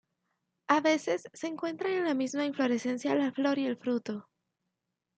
A veces se encuentran en la misma inflorescencia la flor y el fruto.